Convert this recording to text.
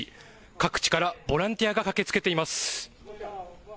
各地からボランティアが駆けつけています。